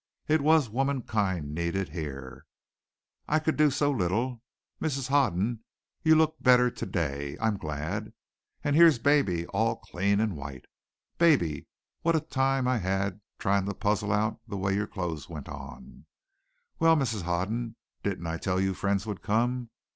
"It was womankind needed here. I could do so little Mrs. Hoden, you look better to day. I'm glad. And here's baby, all clean and white. Baby, what a time I had trying to puzzle out the way your clothes went on! Well, Mrs. Hoden, didn't I tell you friends would come?